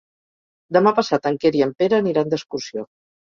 Demà passat en Quer i en Pere aniran d'excursió.